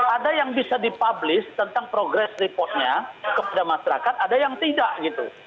ada yang bisa dipublish tentang progress reportnya kepada masyarakat ada yang tidak gitu